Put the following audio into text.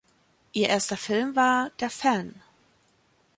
Ihr erster Film war "Der Fan".